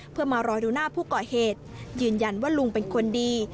เพื่อมารอดูหน้าผู้ก่อเหตุยืนยันว่าลุงเป็นคนดี